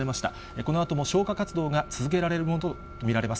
このあとも消火活動が続けられるものと見られます。